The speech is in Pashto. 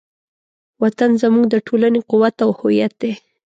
وطن زموږ د ټولنې قوت او هویت دی.